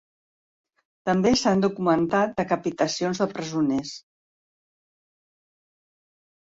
També s'han documentat decapitacions de presoners.